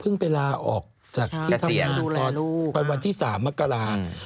เพิ่งไปลาออกจากที่ทำงานตอนวันที่๓มากราศน์